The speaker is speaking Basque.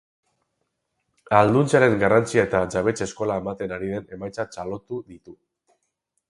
Ahalduntzearen garrantzia eta jabetze eskola ematen ari den emaitza txalotu ditu.